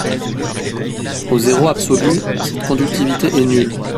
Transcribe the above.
Au zéro absolu, cette conductivité est nulle.